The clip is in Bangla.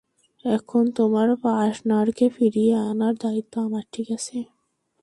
এখন তোমার পার্টনারকে ফিরিয়ে আনার দায়িত্ব আমার, ঠিক আছে?